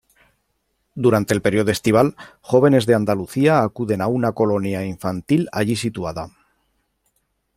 Durante el período estival, jóvenes de Andalucía acuden a una colonia infantil allí situada.